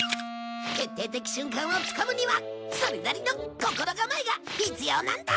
決定的瞬間をつかむにはそれなりの心構えが必要なんだ。